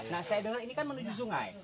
nah saya bilang ini kan menuju sungai